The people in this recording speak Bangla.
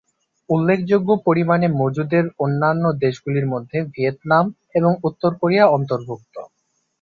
উল্লেখযোগ্য পরিমাণে মজুদের অন্যান্য দেশগুলির মধ্যে ভিয়েতনাম এবং উত্তর কোরিয়া অন্তর্ভুক্ত।